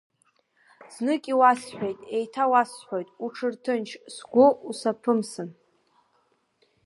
Знык иуасҳәеит, еиҭауасҳәоит, уҽырҭынч, сгәы, усаԥымсын.